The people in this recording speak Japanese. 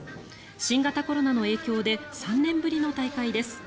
新型コロナの影響で３年ぶりの大会です。